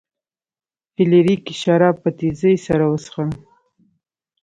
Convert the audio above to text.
فلیریک شراب په تیزۍ سره وڅښل.